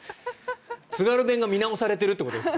津軽弁が見直されているということですか？